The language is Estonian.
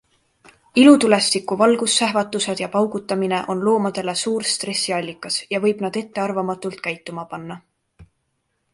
Ilutulestiku valgussähvatused ja paugutamine on loomadele suur stressiallikas ja võib nad ettearvamatult käituma panna.